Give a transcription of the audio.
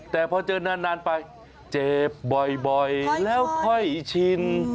แต่พอเจอนานไปเจ็บบ่อยแล้วค่อยชิน